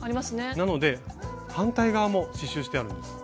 なので反対側も刺しゅうしてあるんです。